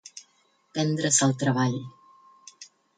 Prendre's el treball.